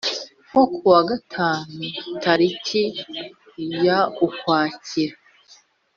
nko ku wa gatatu itariki ya ukwakira